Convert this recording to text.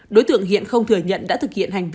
đối tượng hiện không thừa nhận đã thực hiện hành vi